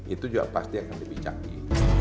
itu juga pasti akan lebih canggih